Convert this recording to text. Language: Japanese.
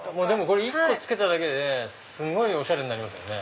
これ１個付けただけですごいおしゃれになりますよね。